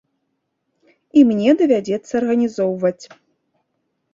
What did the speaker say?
І мне давядзецца арганізоўваць.